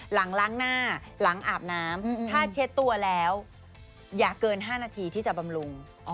ล้างหน้าหลังอาบน้ำถ้าเช็ดตัวแล้วอย่าเกิน๕นาทีที่จะบำรุง